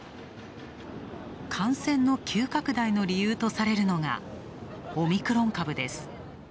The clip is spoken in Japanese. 感染の急拡大の理由とされるのが、オミクロン株です。